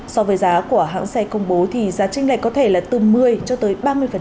so với giá của hãng xe công bố thì giá tranh này có thể là từ một mươi cho tới ba mươi